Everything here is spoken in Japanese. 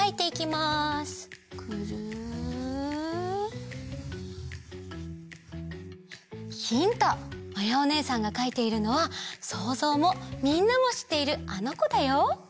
まやおねえさんがかいているのはそうぞうもみんなもしっているあのこだよ。